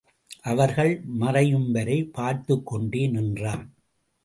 அவர்கள் மறை யும்வரை பார்த்துக்கொண்டே நின்றான்.